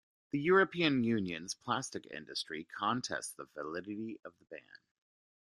The European Union's plastic industry contests the validity of the ban.